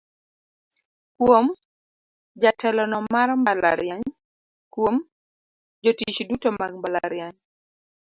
Kuom: Jatelono mar mbalariany Kuom: Jotich duto mag mbalariany.